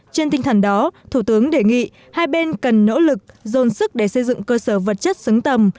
trên tinh thần đó thủ tướng đề nghị hai bên cần nỗ lực dồn sức để xây dựng cơ sở vật chất xứng tầm